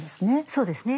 そうですね。